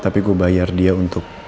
tapi gue bayar dia untuk